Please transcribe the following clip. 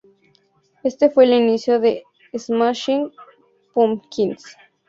Ése fue el inicio de Smashing Pumpkins.